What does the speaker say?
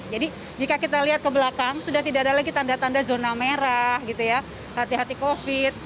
jadi jika kita lihat ke belakang sudah tidak ada lagi tanda tanda zona merah hati hati covid sembilan belas